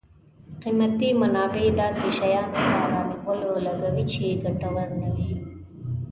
قیمتي منابع داسې شیانو په رانیولو لګوي چې ګټور نه وي.